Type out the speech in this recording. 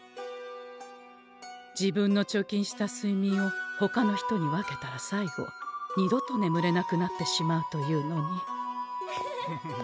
自分の貯金したすいみんをほかの人に分けたら最後二度と眠れなくなってしまうというのに。